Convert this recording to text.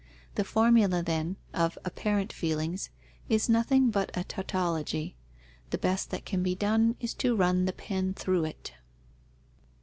The formula, then, of apparent feelings is nothing but a tautology. The best that can be done is to run the pen through it.